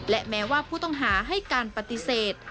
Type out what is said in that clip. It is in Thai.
และแม้ว่าผู้ต้องหาให้การปฏิเสธ